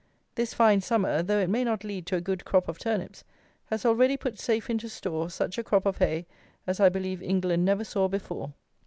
This fine summer, though it may not lead to a good crop of turnips, has already put safe into store such a crop of hay as I believe England never saw before.